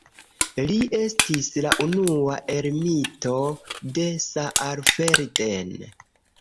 Li estis la unua ermito de Saalfelden.